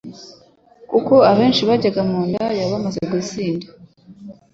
kuko abenshi bajyaga mu ndaya bamaze gusinda,